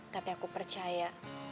tapi aku percaya